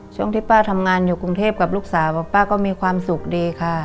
ช่วงที่ป้าทำงานอยู่กรุงเทพกับลูกสาวบอกป้าก็มีความสุขดีค่ะ